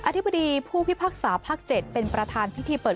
อธิบดีผู้พิพากษาภาค๗เป็นประธานพิธีเปิด